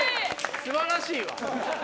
素晴らしいわ。